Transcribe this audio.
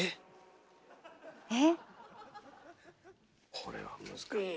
これは難しい。